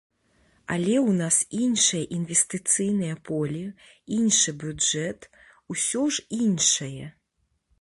Але ў нас іншае інвестыцыйнае поле, іншы бюджэт, усё ж іншае!